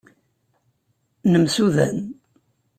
Nemsudan.